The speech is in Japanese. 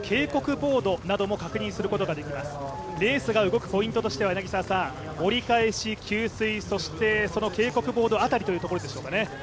ボードなども確認することができます、レースが動くポイントとしては折り返し、給水、そして警告ボード辺りというところですかね。